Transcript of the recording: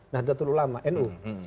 nahdlatul ulama nu